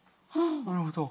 なるほど。